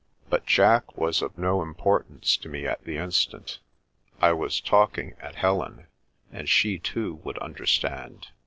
But Jack was of no importance to me at the instant. I was talking at Helen, and she, too, would understand.